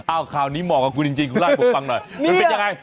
อ้าวคราวนี้เหมาะกับคุณจริงคุณไล่บกปังหน่อยมันเป็นยังไง